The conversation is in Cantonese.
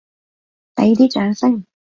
畀啲掌聲！